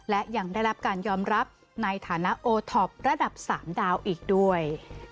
และยังได้รับการยอมรับในฐานะโอท็อประดับ๓ดาวอีกด้วย